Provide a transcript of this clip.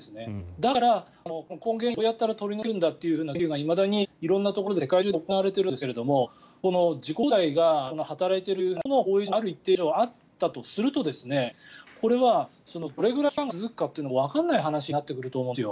だから、根本原因をどうやったら取り除けるんだっていう研究がいまだに色んなところで世界中で行われていますが自己抗体が働いているということの後遺症がある一定以上あったとするとこれはどれぐらい期間が続くかっていうのもわからないという話になってくると思うんですよ。